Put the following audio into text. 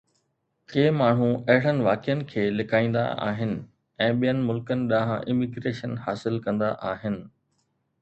ڪي ماڻهو اهڙن واقعن کي لڪائيندا آهن ۽ ٻين ملڪن ڏانهن اميگريشن حاصل ڪندا آهن